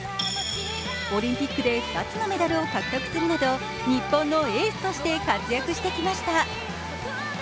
オリンピックで２つのメダルを獲得するなど日本のエースとして活躍してきました。